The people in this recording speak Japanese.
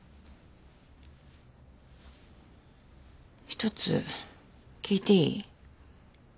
ひとつ聞いていい？